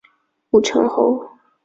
武城侯。